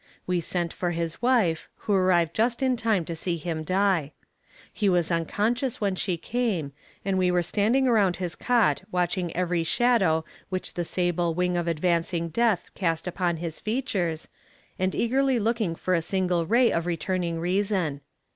We sent for his wife, who arrived just in time to see him die. He was unconscious when she came, and we were standing around his cot watching every shadow which the sable wing of advancing death cast upon his features, and eagerly looking for a single ray of returning reason.